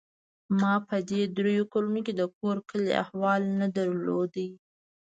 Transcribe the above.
ما په دې درېو کلونو د کور کلي احوال نه درلود.